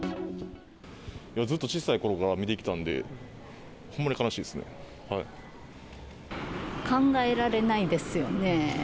ずっと小さいころから見てき考えられないですよね。